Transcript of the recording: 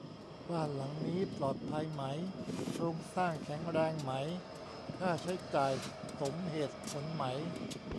บ้านหลังนี้ ปลอดภัยไหม โครงสร้างแข็งแรงไหม ค่าใช้จ่ายสมเหตุผลไหม